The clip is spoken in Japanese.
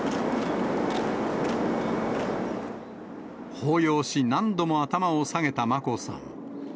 抱擁し、何度も頭を下げた眞子さん。